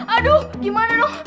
aduh gimana dong